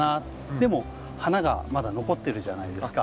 でも花がまだ残ってるじゃないですか。